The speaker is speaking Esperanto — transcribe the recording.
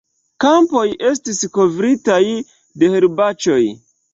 Kampoj estis kovritaj de herbaĉoj.